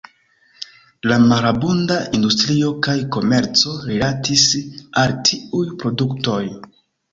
La malabunda industrio kaj komerco rilatis al tiuj produktoj.